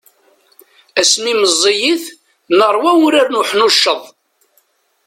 Asmi i meẓẓiyit, nerwa urar n uḥnucceḍ.